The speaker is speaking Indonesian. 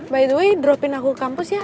by the way dropin aku ke kampus ya